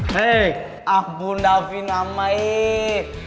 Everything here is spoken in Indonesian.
hei ah bunda vina maik